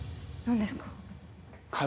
何ですか？